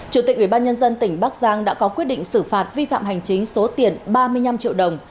chủ tịch ubnd tỉnh bắc giang đã có quyết định xử phạt vi phạm hành chính số tiền ba mươi năm triệu đồng